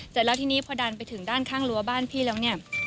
เสร็จแล้วทีนี้พอดันไปถึงด้านข้างรั้วบ้านพี่แล้วเนี่ย